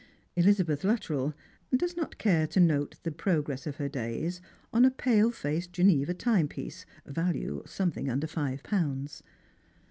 Elizabeth Luttrell does not care to note the progress of her days on a pale faced Geneva time piece, value something under five pounds.